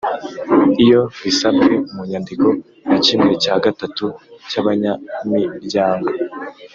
iyo bisabwe mu nyandiko na kimwe cya gatatu cy’abanyamryango